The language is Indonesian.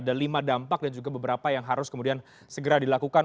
ada lima dampak dan juga beberapa yang harus kemudian segera dilakukan